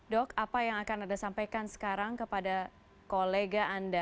dok apa yang akan anda sampaikan sekarang kepada kolega anda